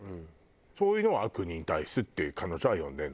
そういうのを「悪人体質」って彼女は呼んでるのね？